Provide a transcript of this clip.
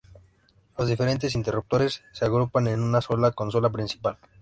Los diferentes interruptores se agrupan en una sola consola principal.